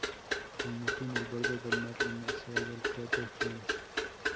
Al norte, en el borde del mar lunar, se halla el cráter Franz.